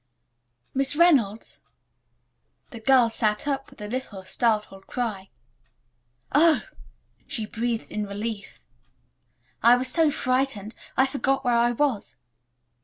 "Miss Reynolds." The girl sat up with a little, startled cry. "Oh," she breathed, in relief. "I was so frightened. I forgot where I was."